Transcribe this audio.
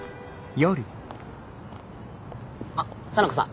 あっ沙名子さん。